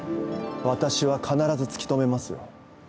私は必ず突き止めますよ。